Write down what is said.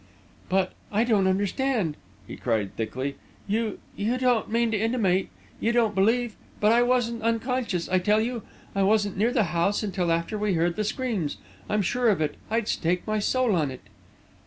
"But but I don't understand!" he cried thickly. "You you don't mean to intimate you don't believe but I wasn't unconscious, I tell you! I wasn't near the house until after we heard the screams! I'm sure of it! I'd stake my soul on it!"